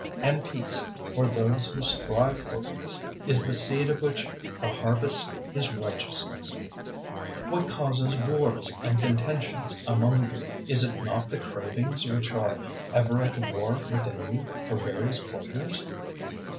003:018 And peace, for those who strive for peace, is the seed of which the harvest is righteousness. 004:001 What causes wars and contentions among you? Is it not the cravings which are ever at war within you for various pleasures?